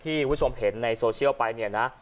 คุณผู้ชมเห็นในโซเชียลไปเนี่ยนะ